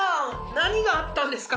何があったんですか？